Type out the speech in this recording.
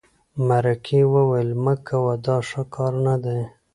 مرکې وویل مه کوه دا ښه کار نه دی.